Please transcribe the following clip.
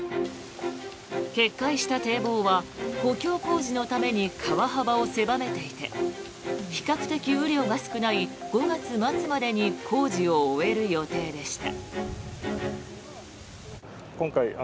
決壊した堤防は補強工事のために川幅を狭めていて比較的雨量が少ない５月末までに工事を終える予定でした。